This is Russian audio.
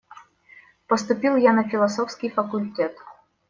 Поступил я на философский факультет.